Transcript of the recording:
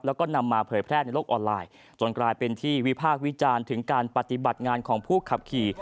แล้วก็นำมาเผยแพร่ในโลกออนไลน์จนกลายเป็นที่วิพากษ์วิจารณ์ถึงการปฏิบัติงานของผู้ขับขี่